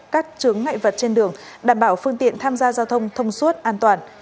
các trứng ngại vật trên đường đảm bảo phương tiện tham gia giao thông thông suốt an toàn